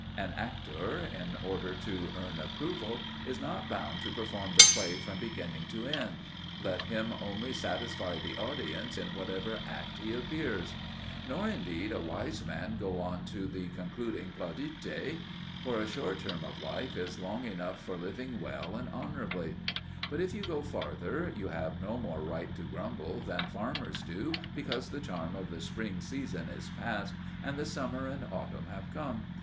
An actor, in order to earn approval, is not bound to perform the play from beginning to end; let him only satisfy the audience in whatever act he appears. Nor need a wise man go on to the concluding "plaudite." For a short term of life is long enough for living well and honourably. But if you go farther, you have no more right to grumble than farmers do because the charm of the spring season is past and the summer and autumn have come.